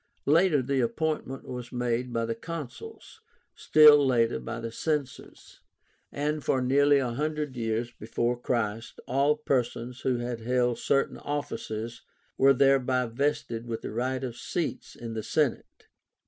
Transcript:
Later the appointment was made by the Consuls, still later by the Censors, and for nearly one hundred years before Christ all persons who had held certain offices were thereby vested with the right of seats in the Senate.